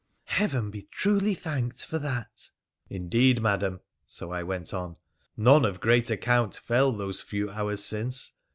' Heaven be truly thanked for that !'' Indeed, Madam,' — so I went on —' none of great account fell those few hours since.